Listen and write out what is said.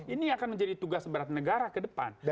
ini akan menjadi tugas berat negara ke depan